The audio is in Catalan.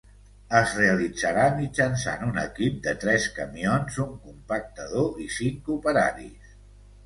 Es realitzarà mitjançant un equip de tres camions, un compactador i cinc operaris.